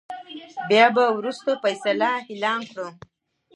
بيا يې ورورستۍ فيصله اعلان کړه .